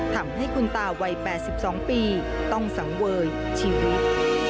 ทำให้คุณตาวัย๘๒ปีต้องสังเวยชีวิต